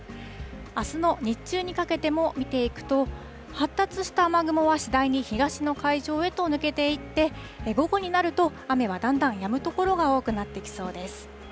あすの日中にかけても見ていくと、発達した雨雲は次第に東の海上へと抜けていって、午後になると、雨はだんだんやむ所が多くなってきそうです。